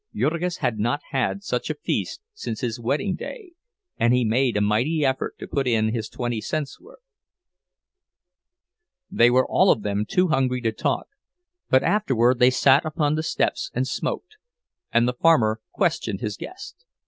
Jurgis had not had such a feast since his wedding day, and he made a mighty effort to put in his twenty cents' worth. They were all of them too hungry to talk; but afterward they sat upon the steps and smoked, and the farmer questioned his guest.